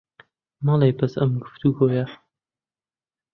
مەڵێ بەس ئەم گوفتوگۆیە